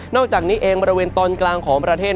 อกจากนี้เองบริเวณตอนกลางของประเทศ